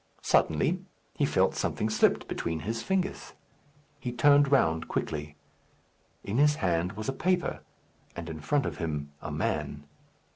Suddenly he felt something slipped between his fingers. He turned round quickly. In his hand was a paper, and in front of him a man.